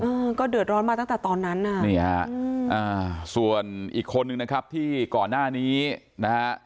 อืมก็เดือดร้อนมาตั้งแต่ตอนนั้นน่ะนี่ฮะอืมอ่าส่วนอีกคนนึงนะครับที่ก่อนหน้านี้นะฮะ